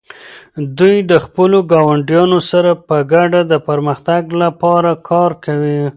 دوی د خپلو ګاونډیانو سره په ګډه د پرمختګ لپاره کار کوي.